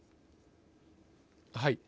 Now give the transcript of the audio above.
はい。